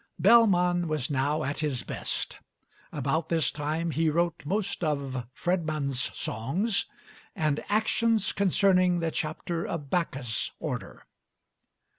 Bellman was now at his best; about this time he wrote most of 'Fredman's Songs' and 'Actions concerning the Chapter of Bacchus order.'